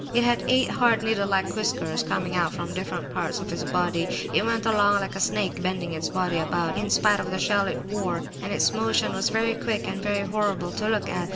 It had eight hard needle like whiskers coming out from different parts of its body; it went along like a snake, bending its body about in spite of the shell it wore, and its motion was very quick and very horrible to look at.